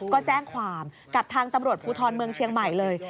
ก็แจ้งความกับทางตำรวจภูทรเมืองเชียงใหม่เลย